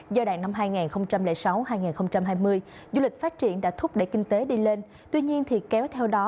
giai đoạn năm hai nghìn sáu hai nghìn hai mươi du lịch phát triển đã thúc đẩy kinh tế đi lên tuy nhiên thì kéo theo đó